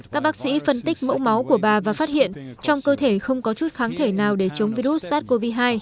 các bác sĩ phân tích mẫu máu của bà và phát hiện trong cơ thể không có chút kháng thể nào để chống virus sars cov hai